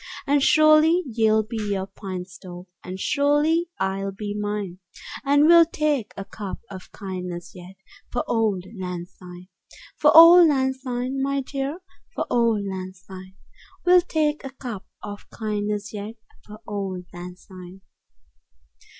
And surely ye'll be your pint stowp, And surely I'll be mine; And we'll tak a cup o' kindness yet For auld lang syne! 20 For auld lang syne, my dear, For auld lang syne, We'll tak a cup o' kindness yet For auld lang syne.